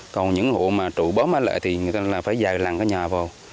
còn những hộ mà trụ bóm ở lại thì người ta là phải dài lặng cái nhà vào